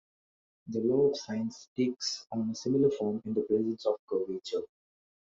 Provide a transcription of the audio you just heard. The law of sines takes on a similar form in the presence of curvature.